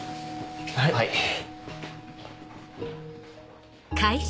はい。